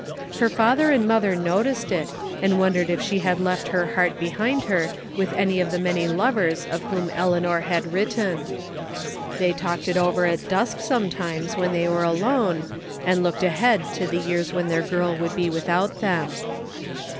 Her father and mother noticed it and wondered if she had left her heart behind her with any of tihe many lovers of whom Eleanor had written. They talked it over at dusk sometimes when they were alone, and looked ahead to the years when their girl would be without them.